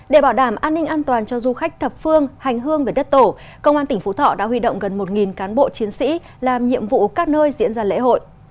để bảo đảm an ninh an toàn cho du khách thập phương hành hương về đất tổ công an tỉnh phú thọ đã huy động gần một cán bộ chiến sĩ làm nhiệm vụ các nơi diễn ra lễ hội